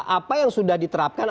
apa yang sudah diterapkan